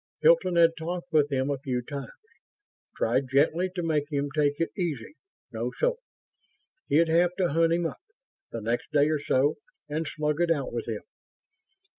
Hilton had talked with him a few times tried gently to make him take it easy no soap. He'd have to hunt him up, the next day or so, and slug it out with him.